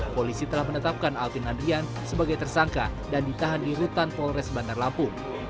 polisi telah menetapkan alvin andrian sebagai tersangka dan ditahan di rutan polres bandar lampung